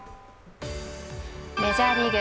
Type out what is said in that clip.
メジャーリーグ。